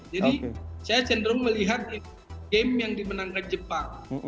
jadi saya cenderung melihat game yang dimenangkan jepang